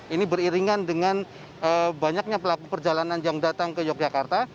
ini beriringan dengan banyaknya pelaku perjalanan yang datang ke yogyakarta